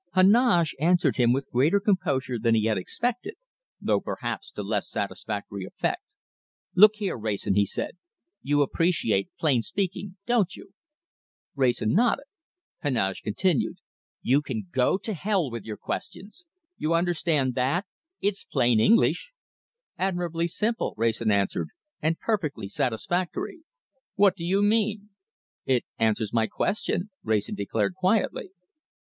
Heneage answered him with greater composure than he had expected, though perhaps to less satisfactory effect. "Look here, Wrayson," he said, "you appreciate plain speaking, don't you?" Wrayson nodded. Heneage continued: "You can go to hell with your questions! You understand that? It's plain English." "Admirably simple," Wrayson answered, "and perfectly satisfactory." "What do you mean?" "It answers my question," Wrayson declared quietly.